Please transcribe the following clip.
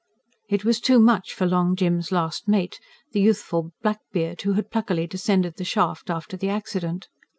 It was too much for Long Jim's last mate, the youthful blackbeard who had pluckily descended the shaft after the accident.